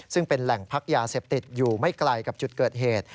ซึ่งเป็นแหล่งพักยาเสพติดอยู่ไม่ไกลกับจุดเกิดเหตุ